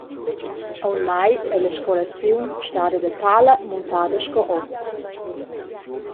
Aunc mai ei la scolaziun stada da tala muntada sco oz.